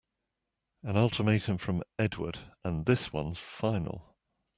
An ultimatum from Edward and this one's final!